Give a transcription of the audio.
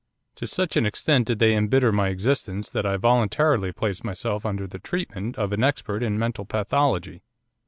To such an extent did they embitter my existence, that I voluntarily placed myself under the treatment of an expert in mental pathology.